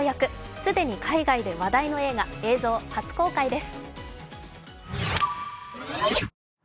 既に海外で話題の映画映像、初公開です。